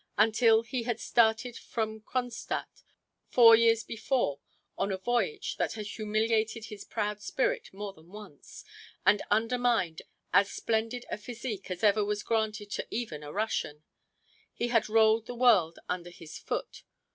Until he had started from Kronstadt four years before on a voyage that had humiliated his proud spirit more than once, and undermined as splendid a physique as ever was granted to even a Russian, he had rolled the world under his foot.